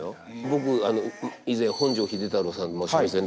僕以前本條秀太郎さん